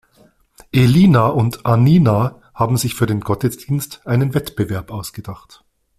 Elina und Annina haben sich für den Gottesdienst einen Wettbewerb ausgedacht.